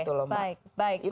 itu loh mbak